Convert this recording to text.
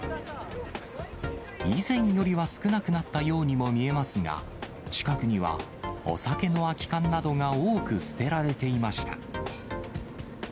以前よりは少なくなったようにも見えますが、近くにはお酒の空き缶などが多く捨てられていました。